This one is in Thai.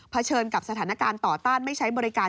เฉินกับสถานการณ์ต่อต้านไม่ใช้บริการ